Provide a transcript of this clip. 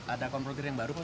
ada komprotir yang baru pak